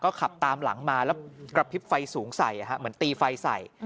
ขับตามหลังมาแล้วกระพริบไฟสูงใส่เหมือนตีไฟใส่